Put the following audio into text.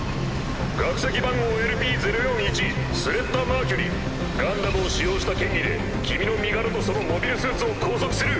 学籍番号ＬＰ０４１スレッタ・マーキュリーガンダムを使用した嫌疑で君の身柄とそのモビルスーツを拘束する。